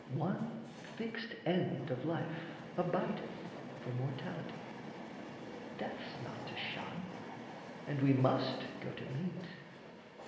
one fixed end Of life abideth for mortality; Death's not to shun, and we must go to meet.